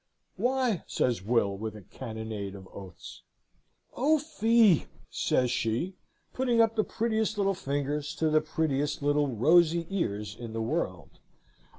'Why?' says Will, with a cannonade of oaths. "'O fie!' says she, putting up the prettiest little fingers to the prettiest little rosy ears in the world.